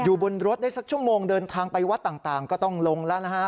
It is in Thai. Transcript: บนรถได้สักชั่วโมงเดินทางไปวัดต่างก็ต้องลงแล้วนะฮะ